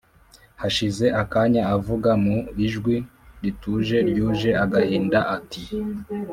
hashize akanya avuga mu ijwi rituje ryuje agahinda ati: